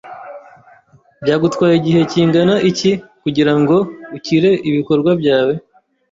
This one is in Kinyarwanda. Byagutwaye igihe kingana iki kugirango ukire ibikorwa byawe?